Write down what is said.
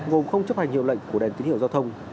gồm không chấp hành hiệu lệnh của đèn tín hiệu giao thông